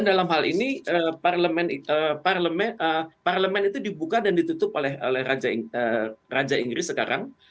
dalam hal ini parlemen itu dibuka dan ditutup oleh raja inggris sekarang